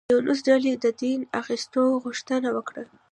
د یونس ډلې د دیه اخیستو غوښتنه وکړه.